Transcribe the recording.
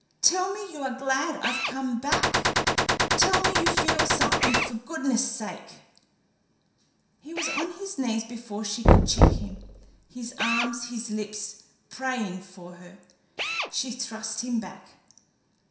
Tell me you are glad I've come back. Tell me you feel something, for goodness' sake!" He was on his knees before she could check him, his arms, his lips praying for her. She thrust him back.